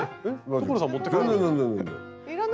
所さん持って帰らない？